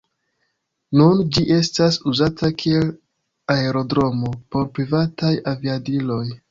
Nun ĝi estas uzata kiel aerodromo por privataj aviadiloj.